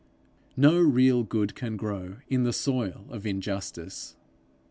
No real good can grow in the soil of injustice.